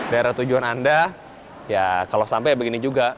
daerah tujuan anda ya kalau sampai ya begini juga